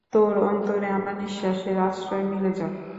তোর অন্তরে আমার নিঃশ্বাসের আশ্রয় মিলে যাক।